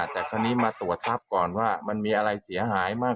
แต่คราวนี้มาตรวจทรัพย์ก่อนว่ามันมีอะไรเสียหายมาก